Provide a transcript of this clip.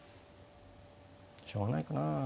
しょうがないかなあ。